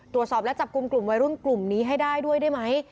ตรวจสอบและจับกลุ่มกลุ่มวัยรุ่นกลุ่มนี้ให้ได้ด้วยได้ไหม